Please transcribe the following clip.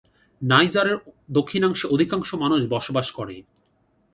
নাইজারের দক্ষিণাংশে অধিকাংশ মানুষ বসবাস করে।